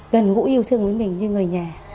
gần gũi yêu thương với mình như người nhà